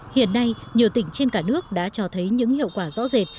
hiện nay nhiều tỉnh trên cả nước đã cho thấy những hiệu quả rõ rệt